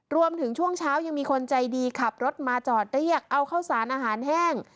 ช่วงเช้ายังมีคนใจดีขับรถมาจอดเรียกเอาข้าวสารอาหารแห้ง